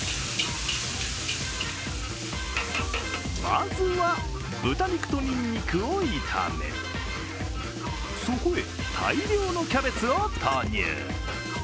まずは豚肉とニンニクを炒めそこへ、大量のキャベツを投入。